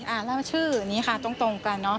เล่าชื่อนี้ค่ะตรงตรงกันเนอะ